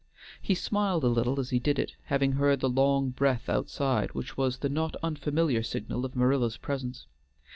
He smiled a little as he did it, having heard the long breath outside which was the not unfamiliar signal of Marilla's presence.